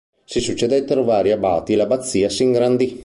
Si succedettero vari abati e l'abbazia s'ingrandì.